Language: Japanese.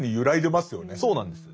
そうなんです。